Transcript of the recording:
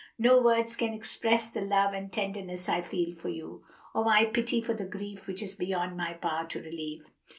no words can express the love and tenderness I feel for you, or my pity for the grief which is beyond my power to relieve."